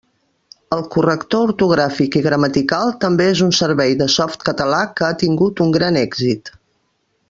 El corrector ortogràfic i gramatical també és un servei de Softcatalà que ha tingut un gran èxit.